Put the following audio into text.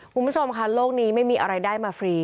คุณผู้ชมค่ะโลกนี้ไม่มีอะไรได้มาฟรี